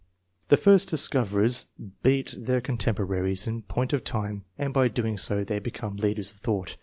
The first discoverers beat their contemporaries I.] ANTECEDENTS. 9 in point of time and by doing so they become leaders of thought.